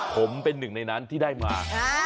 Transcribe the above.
ผมเป็นหนึ่งในนั้นที่ได้มา